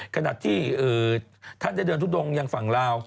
ขนาดที่ท่านจะเดือนทุดงอย่างฝั่งราว